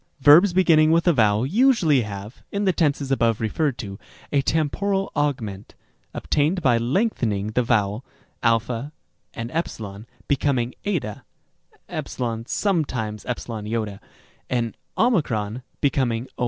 Verbs beginning with a vowel usually have (in the tenses above referred to) a temporal augment, obtained by lengthening the vowel, a and e becoming ἡ (ε sometimes ec) and o becoming ω.